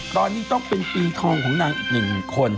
ตอนนี้ต้องเป็นปีทองของนางอีกหนึ่งคน